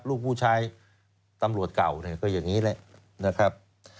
ลูกผู้ชายตำรวจเก่าเนี่ยก็อย่างนี้แหละนะครับ